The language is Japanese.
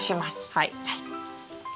はい。